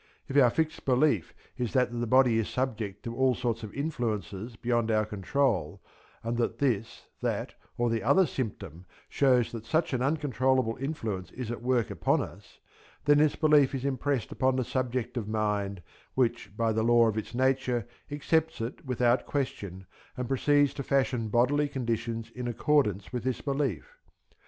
If our fixed belief is that the body is subject to all sorts of influences beyond our control, and that this, that, or the other symptom shows that such an uncontrollable influence is at work upon us, then this belief is impressed upon the subjective mind, which by the law of its nature accepts it without question and proceeds to fashion bodily conditions in accordance with this belief.